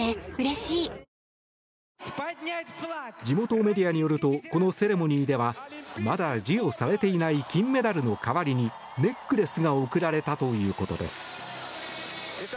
地元メディアによるとこのセレモニーではまだ授与されていない金メダルの代わりにネックレスが贈られたということです。